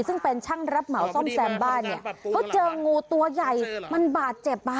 ซึ่งเป็นช่างรับเหมาซ่อมแซมบ้านเนี่ยเขาเจองูตัวใหญ่มันบาดเจ็บอ่ะ